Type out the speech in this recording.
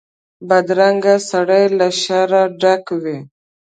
بدرنګه سړی له شره ډک وي